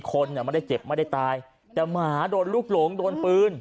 คนไม่ได้เจ็บแต่หมาโดนลูกหลงโดนปืน